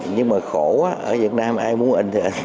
nhưng mà khổ quá ở việt nam ai muốn in thì in